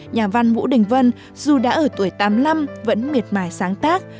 nhà văn vũ đình vân dù đã ở tuổi tám mươi năm vẫn miệt mài sáng tác